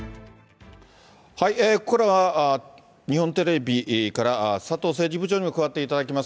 ここからは、日本テレビから佐藤政治部長にも加わっていただきます。